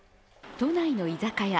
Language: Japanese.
都内の居酒屋。